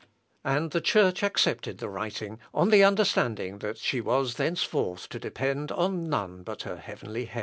And the Church accepted the writing on the understanding that she was thenceforth to depend on none but her heavenly Head.